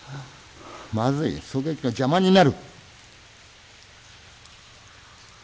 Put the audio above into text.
まずい狙撃の邪魔になる！